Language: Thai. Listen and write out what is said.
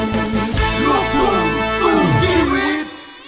ลูกคุมสู้ชีวิต